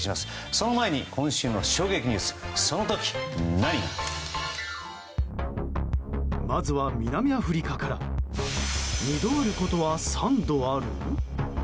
その前に、今週の衝撃ニュースその時何が。まずは南アフリカから二度あることは三度ある？